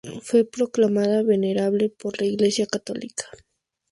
Fue proclamada venerable por la Iglesia católica.